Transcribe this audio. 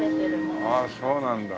ああそうなんだ。